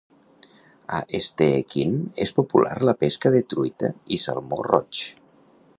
A Stehekin és popular la pesca de truita i salmó roig.